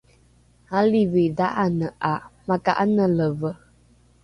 alivi dha’ane ’a maka’analeve